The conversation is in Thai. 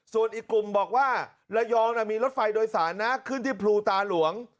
ส่วนอีกกลุ่มบอกว่าระยองมีรถไฟโดยสารนะขึ้นที่ภูตาหลวง